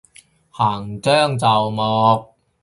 行將就木